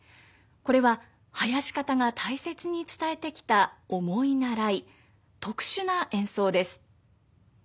これは囃子方が大切に伝えてきた重い習い特殊な演奏です。